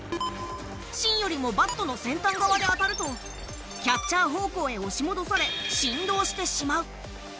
芯よりもバットの先端側で当たるとキャッチャー方向へ押し戻され振動してしまう。